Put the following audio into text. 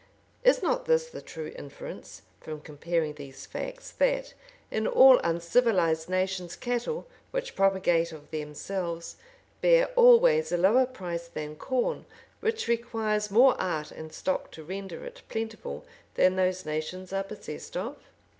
Is not this the true inference, from comparing these facts, that, in all uncivilized nations, cattle, which propagate of themselves, bear always a lower price than corn, which requires more art and stock to render it plentiful than those nations are possessed of?